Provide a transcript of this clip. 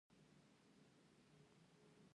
بهر چې را ووتو داسې ښکارېدل لکه غوماشې چیچلي یو.